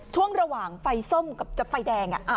ช่วงระหว่างไฟส้มกับจะไฟแดง